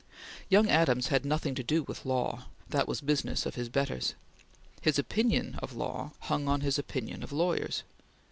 Young Adams had nothing to do with law; that was business of his betters. His opinion of law hung on his opinion of lawyers.